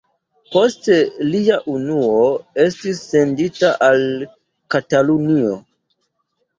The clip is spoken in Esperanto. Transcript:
Poste lia unuo estis sendita al Katalunio.